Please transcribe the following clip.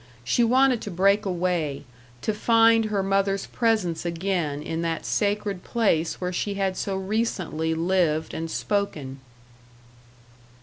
She wanted to break away, to find her mother's presence again in that sacred place where she had so recently lived and spoken.